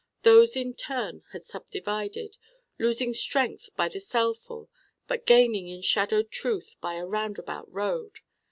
Those in turn had subdivided, losing strength by the cellful but gaining in shadowed truth by a roundabout road.